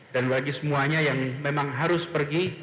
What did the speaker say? dan bagi semuanya yang memang harus pergi